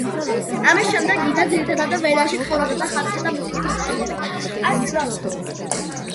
ამის შემდეგ იდა ძირითადად ვენაში ცხოვრობდა და ხატვისა და მუსიკის მასწავლებლობით არჩენდა ოჯახს.